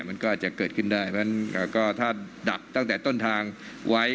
มันก็อาจจะเกิดขึ้นได้เพราะฉะนั้นก็ถ้าดักตั้งแต่ต้นทางไว้